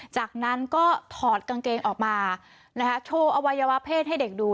จากนั้นก็ถอดกางเกงออกมานะคะโชว์อวัยวะเพศให้เด็กดู